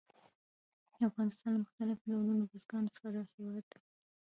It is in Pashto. افغانستان له مختلفو ډولونو بزګانو څخه ډک هېواد دی.